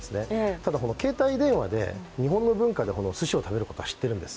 ただ、携帯電話で日本の文化ですしを食べることは知っているんです。